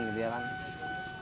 kalau keadaan kayak gini